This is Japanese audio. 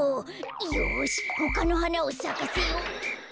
よしほかのはなをさかせよう。